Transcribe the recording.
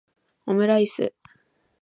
オムライス